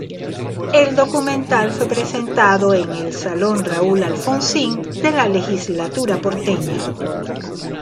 El documental fue presentado en el Salón Raúl Alfonsín de la Legislatura porteña.